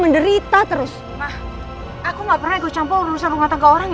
nino semalam juga gak pulang